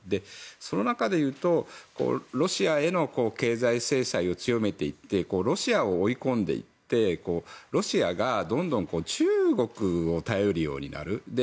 その中で言うとロシアへの経済制裁を強めていってロシアを追い込んでいってロシアがどんどん中国を頼るようになる。